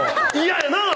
嫌やなぁ！